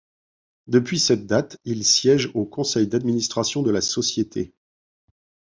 Depuis cette date, il siège au conseil d'administration de la société.